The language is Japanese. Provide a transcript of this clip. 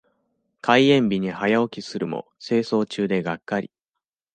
開園日に早起きするも清掃中でがっかり。